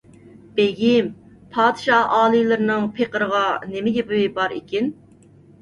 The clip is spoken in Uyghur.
بېگىم، پادىشاھ ئالىيلىرىنىڭ پېقىرغا نېمە گېپى بار ئىكىن؟